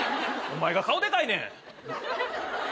お前が顔でかいねん。